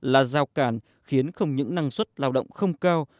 là giao cản khiến không những năng suất lao động không cao